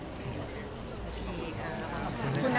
ขอบคุณค่ะ